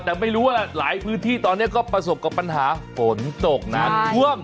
แต่ไม่รู้ว่าหลายพื้นที่ตอนนี้ก็ประสบกับปัญหาฝนตกน้ำท่วม